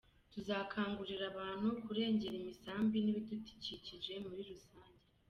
Tuzakangurira abantu kurengera imisambi n’ibidukikije muri rusange.